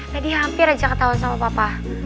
tadi hampir aja ketahuan sama papa